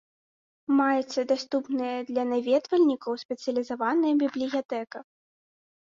Маецца даступная для наведвальнікаў спецыялізаваная бібліятэка.